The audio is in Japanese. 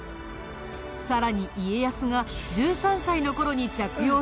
さらに家康が１３歳の頃に着用していた鎧。